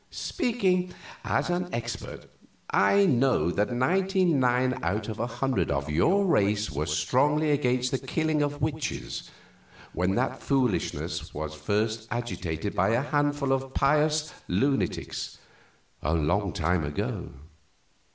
Speaking as an expert, I know that ninety nine out of a hundred of your race were strongly against the killing of witches when that foolishness was first agitated by a handful of pious lunatics in the long ago.